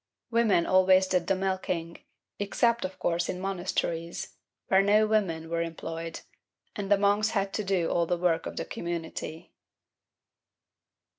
Women always did the milking, except of course in monasteries, where no women were employed, and the monks had to do all the work of the community.